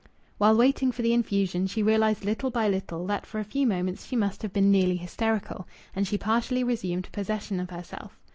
While waiting for the infusion, she realized little by little that for a few moments she must have been nearly hysterical, and she partially resumed possession of herself.